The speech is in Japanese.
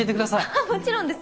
ははっもちろんです。